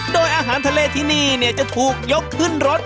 โดยอาหารทะเลที่นี่จะถูกยกขึ้นรถ